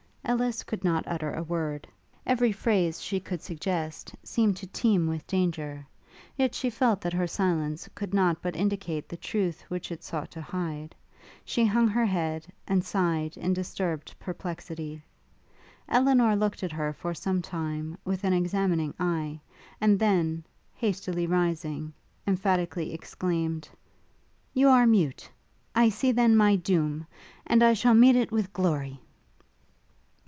Ellis could not utter a word: every phrase she could suggest seemed to teem with danger; yet she felt that her silence could not but indicate the truth which it sought to hide; she hung her head, and sighed in disturbed perplexity. Elinor looked at her for some time with an examining eye, and then, hastily rising, emphatically exclaimed, 'You are mute? I see, then, my doom! And I shall meet it with glory!'